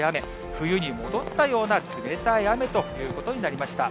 冬に戻ったような冷たい雨ということになりました。